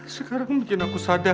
sekarang bikin aku sadar